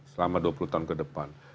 selama dua puluh tahun ke depan